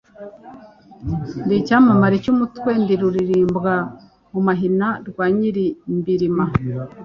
Ndi icyamamare cy'umutwe, Ndi rulirimbwa mu mahina rwa Nyilimbirima.